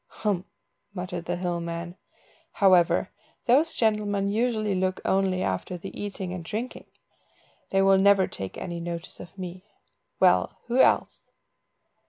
"Hem!" muttered the hill man; "however, those gentlemen usually look only after the eating and drinking; they will never take any notice of me. Well, who else?"